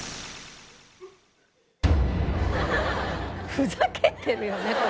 ふざけてるよね。